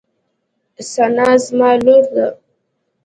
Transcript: ثنا زما لور ده.